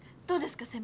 どうですか？